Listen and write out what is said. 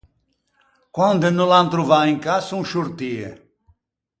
Quande no l’an trovâ in cà son sciortie.